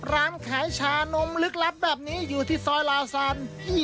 ร้านขายชานมลึกลับแบบนี้อยู่ที่ซอยลาซัน